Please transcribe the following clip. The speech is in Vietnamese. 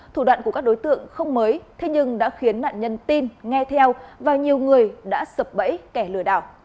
thủ đoạn của các đối tượng không mới thế nhưng đã khiến nạn nhân tin nghe theo và nhiều người đã sập bẫy kẻ lừa đảo